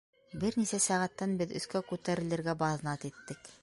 Бер нисә сәғәттән беҙ өҫкә күтәрелергә баҙнат иттек.